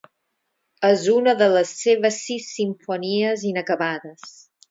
És una de les seves sis simfonies inacabades.